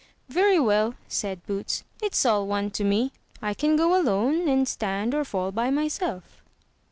__,^^ ''Very well," said Boots, ''it's all one to me. If'can g^lone, and stand or fall by myself."